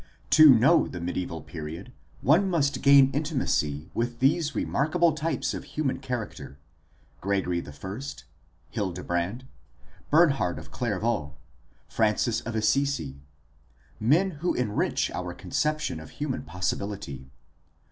To know the mediaeval period one must gain intimacy with these remarkable types of human character: Gregory I, Hildebrand, Bernhard of Clairvaux, Francis of Assisi — men who enrich our conception of human possibility.